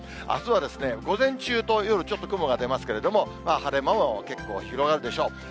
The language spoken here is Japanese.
あすは午前中と夜ちょっと雲が出ますけれども、晴れ間も結構広がるでしょう。